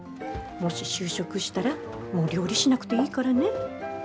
もし就職したらもう料理しなくていいからね。